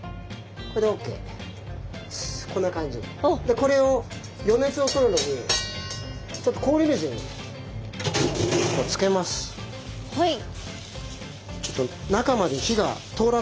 これを余熱を取るのにちょっと氷水にこうつけます。